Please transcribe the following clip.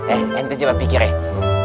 eh entar coba pikir ya